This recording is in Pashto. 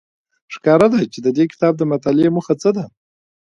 ښکاره ده چې د دې کتاب د مطالعې موخه څه ده